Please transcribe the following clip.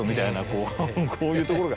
こうこういうところが。